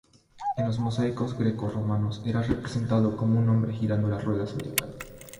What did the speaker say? En los mosaicos grecorromanos era representado como un hombre girando la rueda zodiacal.